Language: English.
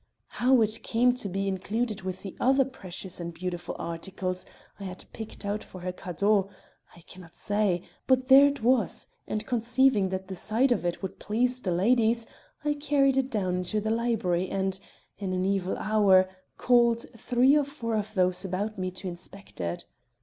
How it came to be included with the other precious and beautiful articles I had picked out for her cadeau, I can not say; but there it was; and conceiving that the sight of it would please the ladies, I carried it down into the library and, in an evil hour, called three or four of those about me to inspect it.